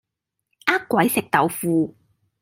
呃鬼食豆腐